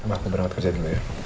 waktu berangkat kerja dulu ya